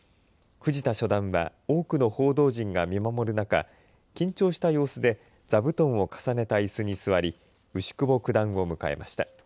藤田初段は多くの報道陣が見守る中緊張した様子で座布団を重ねたいすに座り牛窪九段を迎えました。